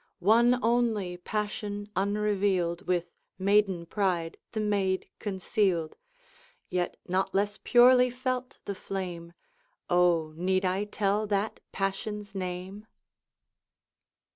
One only passion unrevealed With maiden pride the maid concealed, Yet not less purely felt the flame; O, need I tell that passion's name?